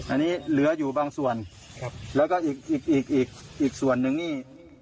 อันนี้เหลืออยู่บางส่วนแล้วก็อีกส่วนหนึ่งนี่